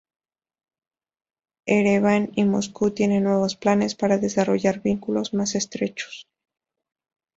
Ereván y Moscú tienen nuevos planes para desarrollar vínculos más estrechos.